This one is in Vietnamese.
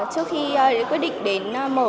trước khi quyết định đến mở